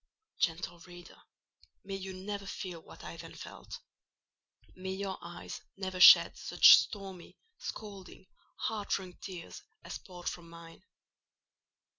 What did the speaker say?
Gentle reader, may you never feel what I then felt! May your eyes never shed such stormy, scalding, heart wrung tears as poured from mine.